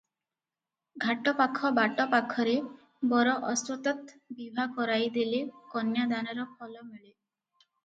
ଘାଟପାଖ ବାଟ ପାଖରେ ବର ଅଶ୍ୱତ୍ଥ ବିଭା କରାଇଦେଲେ କନ୍ୟା ଦାନର ଫଳ ମିଳେ ।